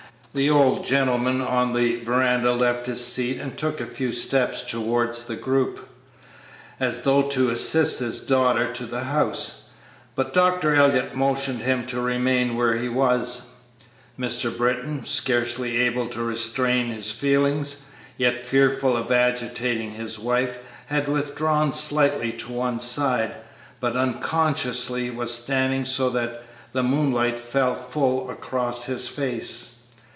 The old gentleman on the veranda left his seat and took a few steps towards the group, as though to assist his daughter to the house, but Dr. Elliott motioned him to remain where he was. Mr. Britton, scarcely able to restrain his feelings, yet fearful of agitating his wife, had withdrawn slightly to one side, but unconsciously was standing so that the moonlight fell full across his face.